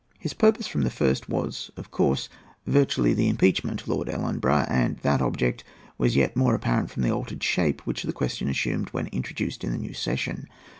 His purpose from the first was, of course, virtually the impeachment of Lord Ellenborough; and that object was yet more apparent from the altered shape which the question assumed when introduced in the new session.